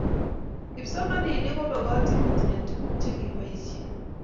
kipsomaninik komokotin kotinyei tukuk chekibaishe